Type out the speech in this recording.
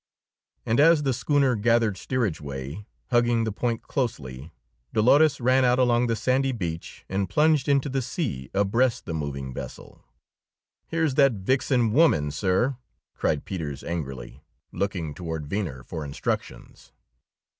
And as the schooner gathered steerage way, hugging the Point closely, Dolores ran out along the sandy beach and plunged into the sea abreast the moving vessel. "Here's that vixen woman, sir!" cried Peters angrily, looking toward Venner for instructions.